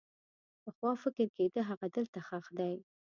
پخوا فکر کېده هغه دلته ښخ دی.